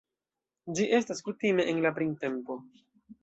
Ĝi estas kutime en la printempo.